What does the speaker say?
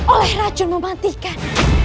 oleh racun memantikan